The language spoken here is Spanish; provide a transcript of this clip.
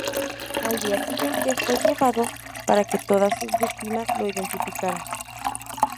Al día siguiente fue llevado para que todas sus víctimas lo identificaran.